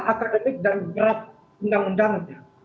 akademik dan draft undang undangnya